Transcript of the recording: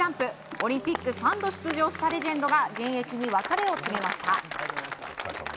オリンピック３度出場したレジェンドが現役に別れを告げました。